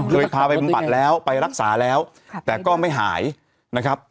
เคยพาไปบำบัดแล้วไปรักษาแล้วแต่ก็ไม่หายนะครับ